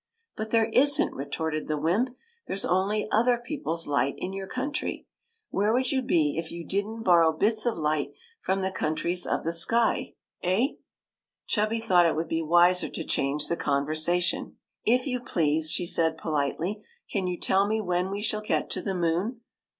" But there is n't," retorted the wymp. " There 's only other people's light in your country ! Where would you be, if you did n't borrow bits of light from the countries of the sky, eh?" Chubby thought it would be wiser to change the conversation. " If you please," she said politely, '' can you tell me when we shall get to the moon?